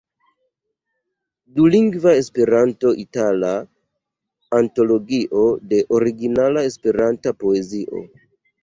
Dulingva Esperanto-itala antologio de originala Esperanta poezio.